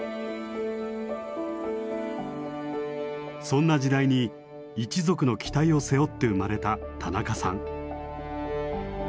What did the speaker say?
そんな時代に一族の期待を背負って生まれた田中さん。